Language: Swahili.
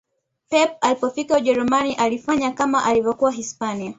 pep alipofika ujerumani alifanya kama alivyokuwa hispania